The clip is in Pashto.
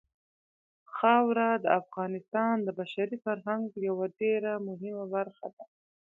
خاوره د افغانستان د بشري فرهنګ یوه ډېره مهمه برخه ده.